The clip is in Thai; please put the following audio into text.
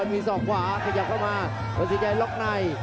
มีสองขวาขยับเข้ามาประสิทธิ์ใยล็อกไน